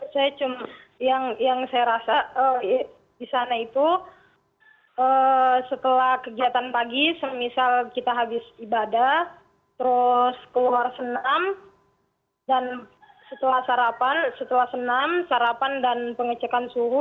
saya cuma yang saya rasa di sana itu setelah kegiatan pagi semisal kita habis ibadah terus keluar senam dan setelah sarapan setelah senam sarapan dan pengecekan suhu